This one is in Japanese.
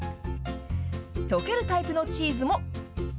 溶けるタイプのチーズも。